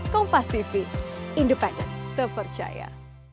kompas tv independen terpercaya